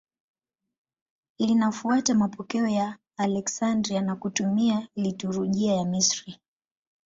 Linafuata mapokeo ya Aleksandria na kutumia liturujia ya Misri.